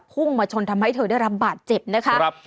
พุ่งมาชนทำให้เธอได้รับบาดเจ็บนะคะ